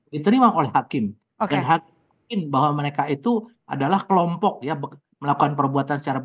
diterima oleh hakim dan hakim bahwa mereka itu adalah kelompok ya melakukan perbuatan secara